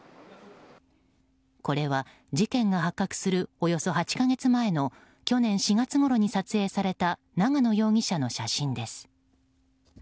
これは、事件が発覚するおよそ８か月前の去年４月ごろに撮影された長野容疑者の写真です。